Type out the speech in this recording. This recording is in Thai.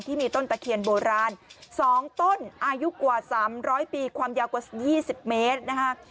ที่มีต้นตะเคียนโบราณ๒ต้นอายุกว่า๓๐๐ปีความยาวกว่า๒๐เมตรนะคะ